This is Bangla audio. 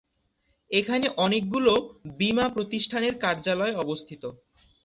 এখানে অনেকগুলো বীমা প্রতিষ্ঠানের কার্যালয় অবস্থিত।